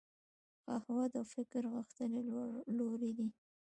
قهوه د فکر غښتلي لوری دی